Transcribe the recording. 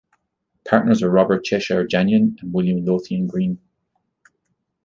Partners were Robert Cheshire Janion and William Lowthian Green.